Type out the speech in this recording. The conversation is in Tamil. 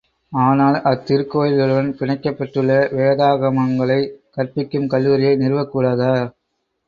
ஆனால், அத்திருக்கோயில்களுடன் பிணைக்கப் பெற்றுள்ள வேதாகமங்களைக் கற்பிக்கும் கல்லூரியை நிறுவக் கூடாதா?